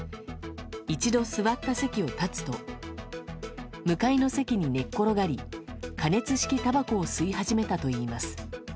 一度座った席を立つと向かいの席に寝っ転がり加熱式たばこを吸い始めたといいます。